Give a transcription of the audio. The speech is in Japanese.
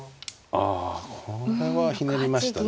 あこれはひねりましたね。